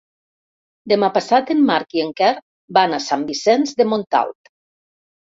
Demà passat en Marc i en Quer van a Sant Vicenç de Montalt.